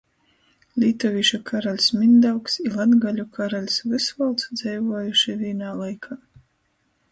Lītuvīšu karaļs Mindaugs i latgaļu karaļs Vysvolds dzeivuojuši vīnā laikā.